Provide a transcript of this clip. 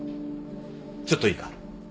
ちょっといいか？